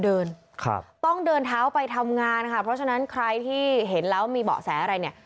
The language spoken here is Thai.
เดินครับต้องเดินเท้าไปทำงานค่ะเพราะฉะนั้นใครที่เห็นแล้วมีเบาะแสอะไรเนี่ย